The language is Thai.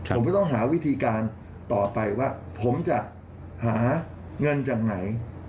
ผมก็ต้องหาวิธีการต่อไปว่าผมจะหาเงินจากไหน